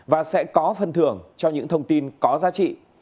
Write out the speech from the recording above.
và sẽ có phân thưởng cho những thông tin có giá trị